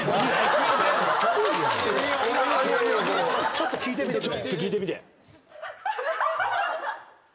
ちょっと聞いてみてくれ。